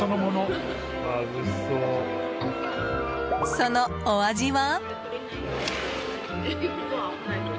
そのお味は？